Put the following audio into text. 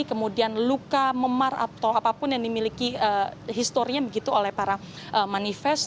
kemudian luka memar atau apapun yang dimiliki historinya begitu oleh para manifest